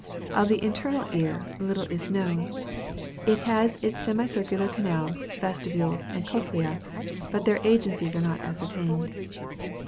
Of the internal ear little is known. It has its semicircular canals, vestibules, and cochlea; but their agencies are not ascertained.